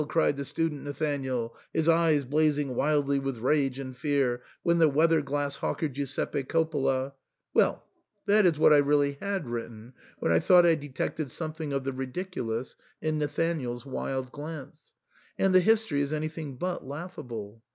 * cried the student Nathanael, his eyes blazing wildly with rage and fear, when the weather glass hawker Giuseppe Coppola "— well, that is what I really had written, when I thought I detected something of the ridiculous in Nathanael's wild glance ; and the history is anything but laughable.